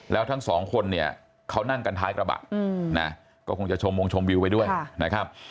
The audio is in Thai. แล้วทั้งสองคนเนี่ยเขานั่งกันท้ายกระบะนะก็คงจะชมวงชมวิวไปด้วยนะครับ